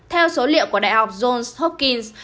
theo số liệu của đại học johns hopkins